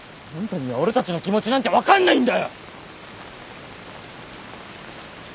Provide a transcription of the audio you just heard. あんたには俺たちの気持ちなんて分かんないんだよ！